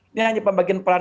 ini hanya pembagian peran